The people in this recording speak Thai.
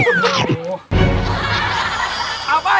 พี่โจ้เป็นมั้ย